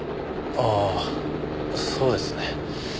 ああそうですね。